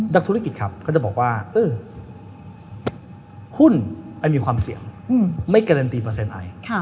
นักธุรกิจจะบอกว่าหุ้นมีความเสี่ยงไม่การันตีเปอร์เซ็นต์ไอ